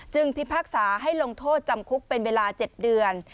พิพากษาให้ลงโทษจำคุกเป็นเวลา๗เดือน